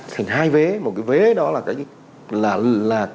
thì hai vế một cái vế đó là